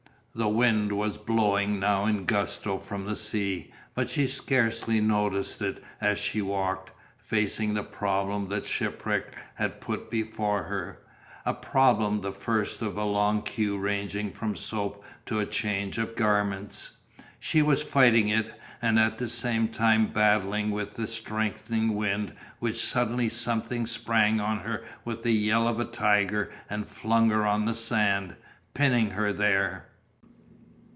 The wind was blowing now in gusto from the sea, but she scarcely noticed it as she walked, facing the problem that shipwreck had put before her, a problem the first of a long queue ranging from soap to a change of garments. She was fighting it and at the same time battling with the strengthening wind when suddenly something sprang on her with the yell of a tiger and flung her on the sand, pinning her there.